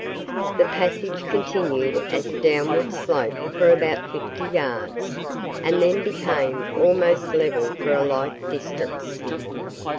The passage continued as a downward slope for about fifty yards and then became almost level for a like distance.